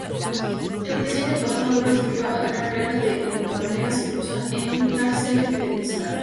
El presidente Nicolás Maduro instruyó a crear "granjas de criptomonedas", incluso en cárceles venezolanas.